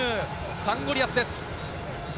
サンゴリアスです。